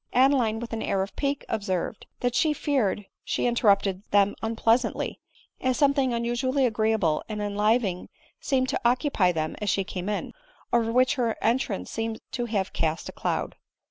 Adeline with an air of pique observed, that she feared she interrupted them unpleasantly, as something unusual ly agreeable and enlivening seemed to occupy them as die came in, over which her entrance seemed to have cast a cloud.